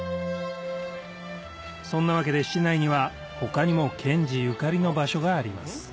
そんな訳で市内には他にも賢治ゆかりの場所があります